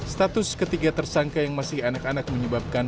status ketiga tersangka yang masih anak anak menyebabkan